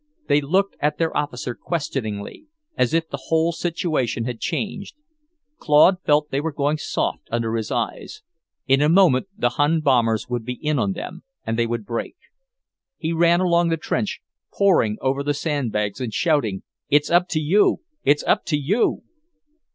They looked at their officer questioningly, as if the whole situation had changed. Claude felt they were going soft under his eyes. In a moment the Hun bombers would be in on them, and they would break. He ran along the trench, pointing over the sand bags and shouting, "It's up to you, it's up to you!"